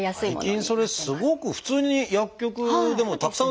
最近それすごく普通に薬局でもたくさん売ってますもんね。